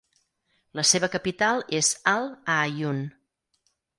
La seva capital és Al-Aaiun.